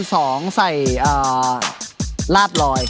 ๑๒๐๐ใส่ลาดรอย